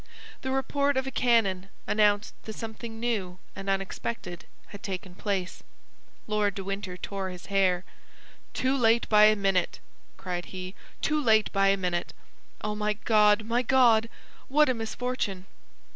The report of a cannon announced that something new and unexpected had taken place. Lord de Winter tore his hair. "Too late by a minute!" cried he, "too late by a minute! Oh, my God, my God! what a misfortune!"